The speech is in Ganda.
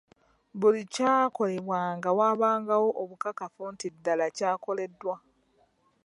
Buli kyakolebwanga waabangawo obukakafu nti ddala kyakoleddwa.